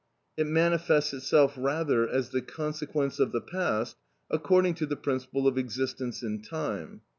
It manifests itself rather as the consequence of the past, according to the principle of existence in time.